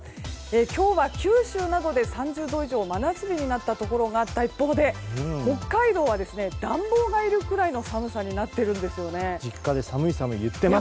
今日は九州などで３０度以上真夏日になったところがあった一方で北海道は暖房がいるくらいの寒さになっているんです。